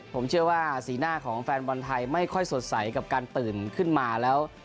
ผมเชื่อว่าสีหน้าของแฟนบอลไทยไม่ค่อยสดใสกับการตื่นขึ้นมาแล้ว